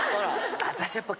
私はやっぱ。